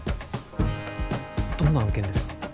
どんな案件ですか？